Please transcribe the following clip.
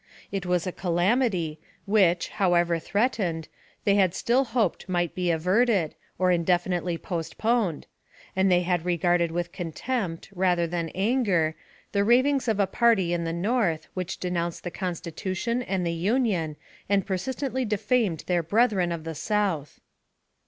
It was a calamity, which, however threatened, they had still hoped might be averted, or indefinitely postponed, and they had regarded with contempt, rather than anger, the ravings of a party in the North, which denounced the Constitution and the Union, and persistently defamed their brethren of the South.